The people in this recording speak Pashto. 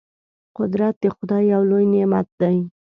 قدرت د خدای یو لوی نعمت دی.